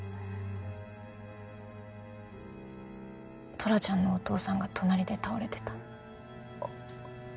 トラちゃんのお父さんが隣で倒れてた。